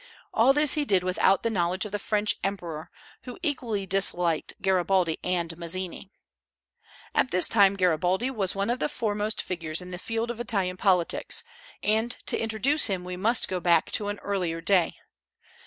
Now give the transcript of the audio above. All this he did without the knowledge of the French emperor, who equally disliked Garibaldi and Mazzini. At this time Garibaldi was one of the foremost figures in the field of Italian politics, and, to introduce him, we must go back to an earlier day.